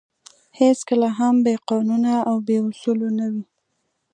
هېڅکله هم بې قانونه او بې اُصولو نه وې.